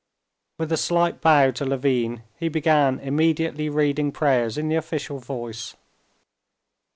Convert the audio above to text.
With a slight bow to Levin he began immediately reading prayers in the official voice.